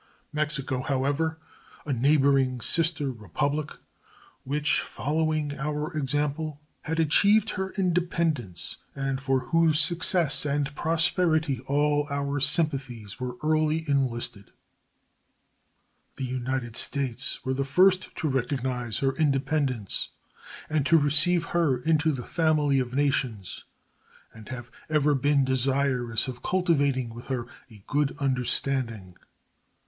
Mexico was, however, a neighboring sister republic, which, following our example, had achieved her independence, and for whose success and prosperity all our sympathies were early enlisted. The United States were the first to recognize her independence and to receive her into the family of nations, and have ever been desirous of cultivating with her a good understanding.